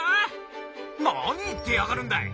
何言ってやがるんだい。